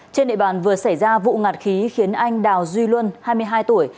trên địa bàn vừa xảy ra vụ ngạt khí khiến anh đào duy luân hai mươi hai tuổi